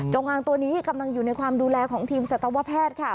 อ่างตัวนี้กำลังอยู่ในความดูแลของทีมสัตวแพทย์ค่ะ